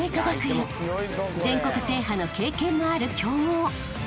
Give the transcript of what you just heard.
［全国制覇の経験もある強豪］